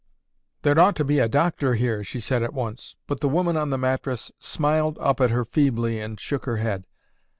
"'There'd ought to be a doctor here,' she said at once, but the woman on the mattress smiled up at her feebly and shook her head.